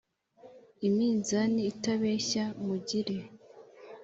Iminzani Itabeshya Mugire